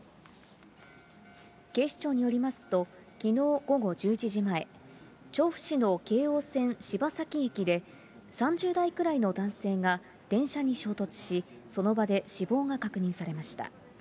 警視庁によりますと、きのう午後１１時前、調布市の京王線柴崎駅で、３０代くらいの男性が電車に衝突し、その場で死亡が確認されました。